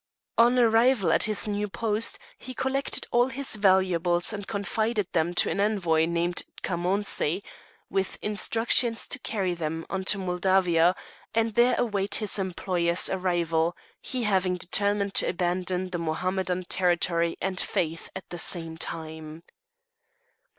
On arrival at his new post, he collected all his valuables and confided them to an envoy named Chamonsi, with instructions to carry them into Moldavia, and there await his employer's arrival, he having determined to abandon the Mohammedan territory and faith at the same time.